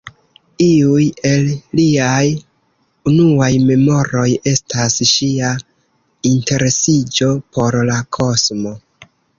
Iuj el liaj unuaj memoroj estas ŝia interesiĝo por la kosmo.